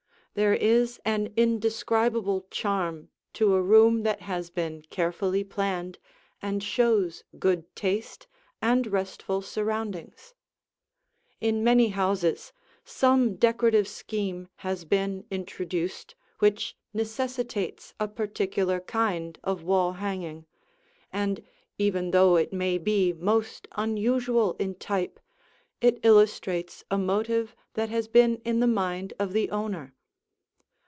There is an indescribable charm to a room that has been carefully planned and shows good taste and restful surroundings. In many houses, some decorative scheme has been introduced which necessitates a particular kind of wall hanging, and even though it may be most unusual in type, it illustrates a motive that has been in the mind of the owner.